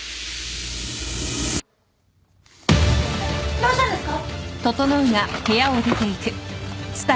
どうしたんですか！？